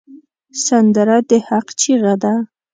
سندره د حق چیغه ده